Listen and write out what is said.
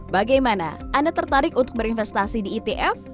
bagaimana anda tertarik untuk berinvestasi di itf